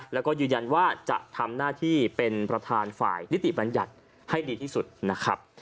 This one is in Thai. แล้วก็ยืนยันว่าจะทำหน้าที่เป็นประธานฝ่ายนิติบัญญัติให้ดีที่สุดนะครับ